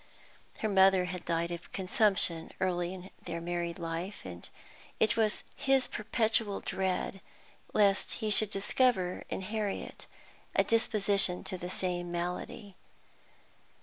Her mother had died of consumption early in their married life, and it was his perpetual dread lest he should discover in Harriet a disposition to the same malady.